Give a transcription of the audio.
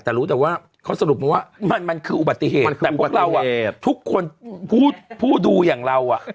แต่รู้แต่ว่าเขาสรุปมาว่ามันมันคืออุบัติเหตุแต่พวกเราอ่ะทุกคนผู้ดูอย่างเราอ่ะ